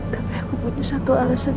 tapi aku butuh satu alasan